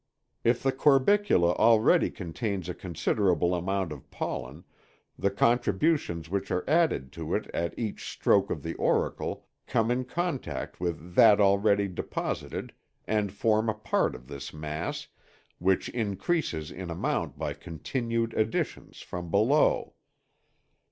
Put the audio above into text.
If the corbicula already contains a considerable amount of pollen the contributions which are added to it at each stroke of the auricle come in contact with that already deposited and form a part of this mass, which increases in amount by continued additions from below.